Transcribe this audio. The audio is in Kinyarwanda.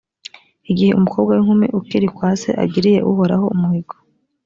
igihe umukobwa w’inkumi ukiri kwa se agiriye uhoraho umuhigo